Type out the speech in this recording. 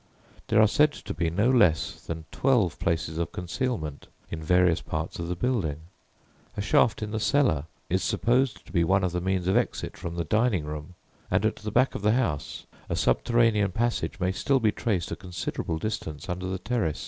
There are said to be no less than twelve places of concealment in various parts of the building. A shaft in the cellar is supposed to be one of the means of exit from "the dining room," and at the back of the house a subterranean passage may still be traced a considerable distance under the terrace.